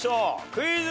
クイズ。